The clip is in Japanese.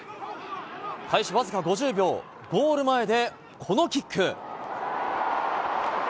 開始わずか５０秒ゴール前でこのキック。